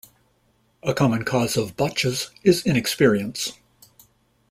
A common cause of botches is inexperience.